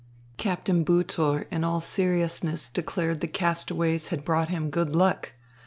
Captain Butor in all seriousness declared the castaways had brought him good luck.